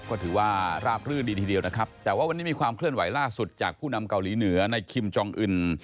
ก็ถือว่าราบรื่นดีทีเดียวนะครับแต่ว่าวันนี้มีความเคลื่อนไหวล่าสุดจากผู้นำเกาหลีเหนือในคิมจองอื่น